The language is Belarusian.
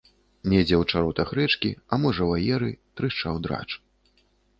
Недзе ў чаротах рэчкі, а можа, у аеры трашчаў драч.